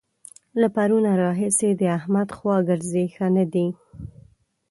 له پرونه راهسې د احمد خوا ګرځي؛ ښه نه دی.